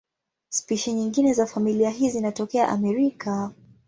Spishi nyingine za familia hii zinatokea Amerika.